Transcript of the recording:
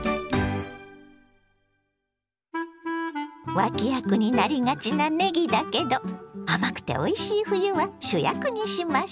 脇役になりがちなねぎだけど甘くておいしい冬は主役にしましょ！